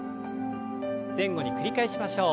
前後に繰り返しましょう。